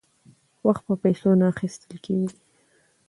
وخت په پیسو نه اخیستل کیږي.